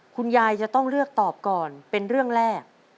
คุณยายจะต้องเลือกตอบก่อนเป็นเรื่องแรก